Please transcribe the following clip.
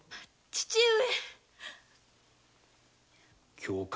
父上！